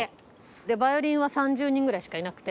でヴァイオリンは３０人ぐらいしかいなくて。